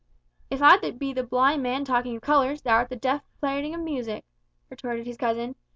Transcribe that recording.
"If I be the blind man talking of colours, thou art the deaf prating of music," retorted his cousin.